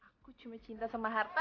aku cuma cinta sama harta